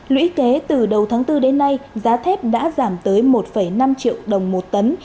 lũy kế từ đầu tháng bốn đến nay giá thép đã giảm tới một năm triệu đồng một tấn